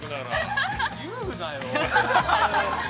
◆言うなよ。